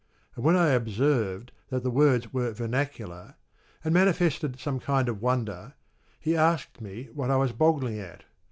And when I observed that the words were vernacular, and manifested some kind of wonder, he asked me what I was boggling at.